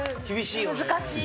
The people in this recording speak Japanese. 難しい。